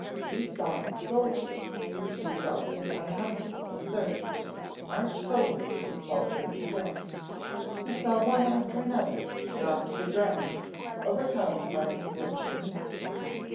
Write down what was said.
He saw soldiers, exhausted by hunger and thirst, march forward with faltering step; he saw one after another drop to the ground, overcome by the scorching heat.